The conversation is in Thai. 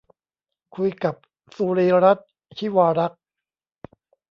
คุยกับ สุรีย์รัตน์ ชิวารักษ์